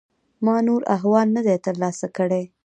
ما نور احوال نه دی ترلاسه کړی.